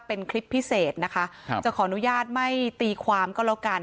เป็นคลิปพิเศษนะคะครับจะขออนุญาตไม่ตีความก็แล้วกัน